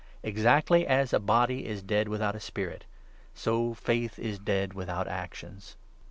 Exactly as a body is dead without a spirit, 26 so faith is dead without actions.